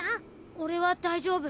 俺は大丈夫。